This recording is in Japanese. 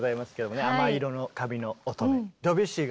「亜麻色の髪の乙女」。